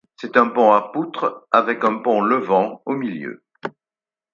C'est un pont à poutres avec un pont levant au milieu.